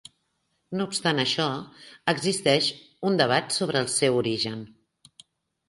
No obstant això, existeix un debat sobre el seu origen.